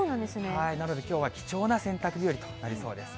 なので、きょうは貴重な洗濯日和となりそうです。